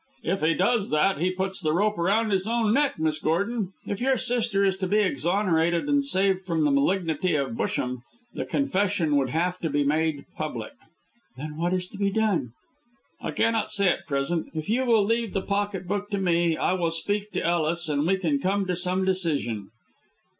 "If he does that he puts the rope round his own neck, Miss Gordon. If your sister is to be exonerated and saved from the malignity of Busham, the confession would have to be made public." "Then what is to be done?" "I cannot say at present. If you will leave the pocket book to me I will speak to Ellis, and we can come to some decision."